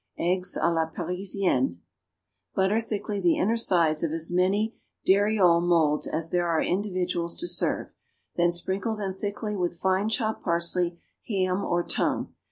=Eggs à la Parisienne.= Butter thickly the inner sides of as many dariole moulds as there are individuals to serve. Then sprinkle them thickly with fine chopped parsley, ham or tongue.